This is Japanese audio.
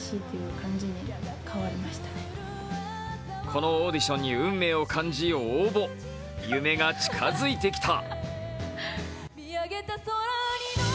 このオーディションに運命を感じ、応募、夢が近づいてきた。